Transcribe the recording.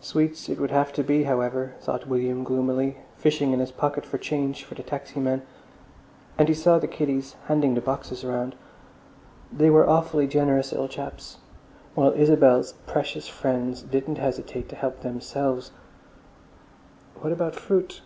Sweets it would have to be, however, thought William gloomily, fishing in his pocket for change for the taxi man. And he saw the kiddies handing the boxes round—they were awfully generous little chaps—while Isabel's precious friends didn't hesitate to help themselves.... What about fruit?